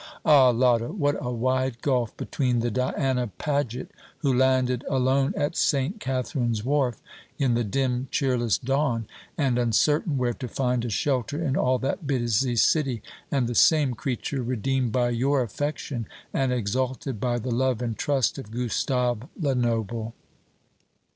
Ah, Lotta, what a wide gulf between the Diana Paget who landed alone at St. Katharine's Wharf, in the dim cheerless dawn, and uncertain where to find a shelter in all that busy city, and the same creature redeemed by your affection, and exalted by the love and trust of Gustave Lenoble!